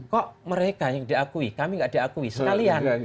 kok mereka yang diakui kami nggak diakui sekalian